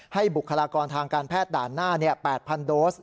บุคลากรทางการแพทย์ด่านหน้า๘๐๐โดส